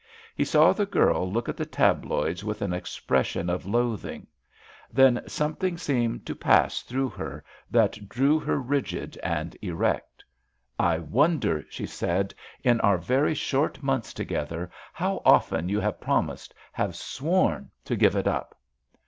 He saw the girl look at the tabloids with an expression of loathing; then something seemed to pass through her that drew her rigid and erect. "I wonder," she said, "in our very short months together, how often you have promised, have sworn, to give it up!"